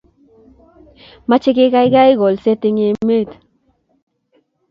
Mechei kekaikai kolset eng' emet